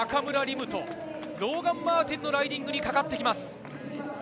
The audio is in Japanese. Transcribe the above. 夢とローガン・マーティンのライディングにかかってきます。